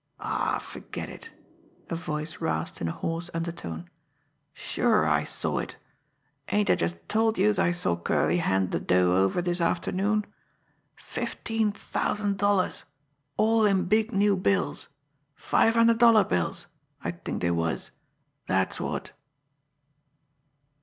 "Aw, ferget it!" a voice rasped in a hoarse undertone. "Sure, I saw it! Ain't I just told youse I saw Curley hand de dough over dis afternoon! Fifteen thousand dollars all in big new bills, five hundred dollar bills I t'ink dey was dat's wot!"